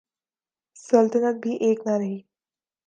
سلطنت بھی ایک نہ رہی۔